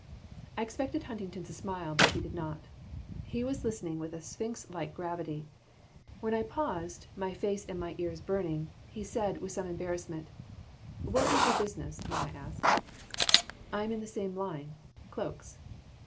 I expected Huntington to smile, but he did not. He was listening with sphinx like gravity. When I paused, my face and my ears burning, he said, with some embarrassment: "What is your business, may I ask?" "I am in the same line. Cloaks."